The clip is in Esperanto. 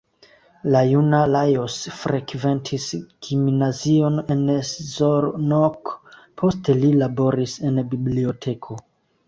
La juna Lajos frekventis gimnazion en Szolnok, poste li laboris en biblioteko.